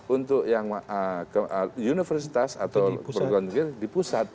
untuk yang universitas atau perubahan di pusat